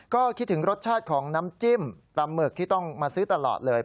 ก็คิดถึงรสชาติของน้ำจิ้มปลาหมึกที่ต้องมาซื้อตลอดเลย